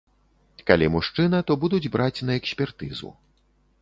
Калі мужчына, то будуць браць на экспертызу.